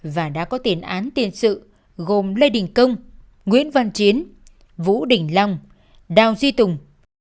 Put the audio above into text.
và đã có tiền án tiền sự gồm lê đình công nguyễn văn chiến vũ đình long đào duy tùng